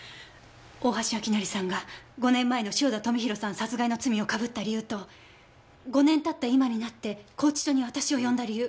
大橋明成さんが５年前の汐田富弘さん殺害の罪をかぶった理由と５年経った今になって拘置所に私を呼んだ理由。